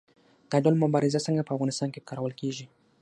دا ډول مبارزه څنګه په افغانستان کې کارول کیږي؟